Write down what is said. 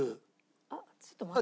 あっちょっと待って。